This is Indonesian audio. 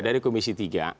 dari komisi tiga